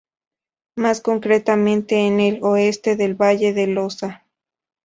Mas concretamente en el oeste del "Valle de Losa".